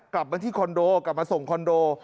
กลับมาที่คอนโดกลับมาส่งคอนโด